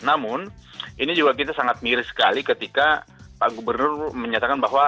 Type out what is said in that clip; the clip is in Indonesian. namun ini juga kita sangat miris sekali ketika pak gubernur menyatakan bahwa